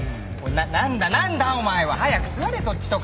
何だ何だお前は！早く座れそっちとか！